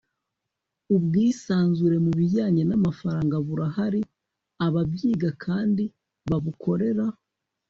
ubwisanzure mu bijyanye n'amafaranga burahari ababyiga kandi babukorera